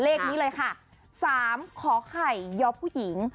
เลขนี้เลยค่ะ๓ขอไข่ยอผู้หญิง